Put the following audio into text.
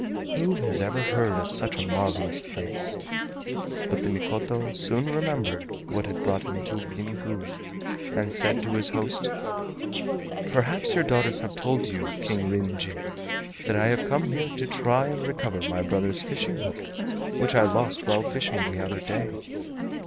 Who has ever heard of such a marvelous place? But the Mikoto soon remembered what had brought him to Ryn Gu, and said to his host: "Perhaps your daughters have told you, King Ryn Jin, that I have come here to try and recover my brother's fishing hook, which I lost while fishing the other day.